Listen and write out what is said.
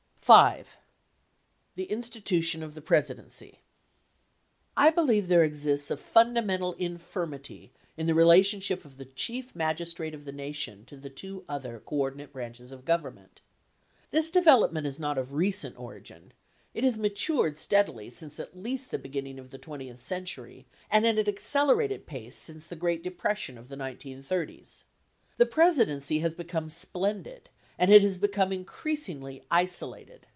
V. The institution of the Presidency. I believe there exists a fundamental infirmity in the relationship of the Chief Magistrate of the Nation to the two other coordinate branches of Government. This development is not of recent origin — it has matured steadily since at least the beginning of the 20th century and at an accelerated pace since the great depression of the 1930's. The Presidency has become splendid, and it has become increasingly isolated.